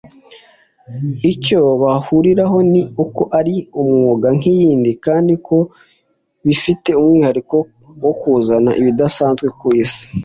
Icyo bahuriraho ni uko ari umwuga nk’iyindi kandi ko bifite umwihariko wo kuzana ibidasanzwe ku Isi